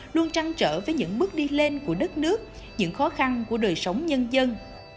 luôn trăng trở với những bước đi lên của đất nước những khó khăn của đời sống nhân dân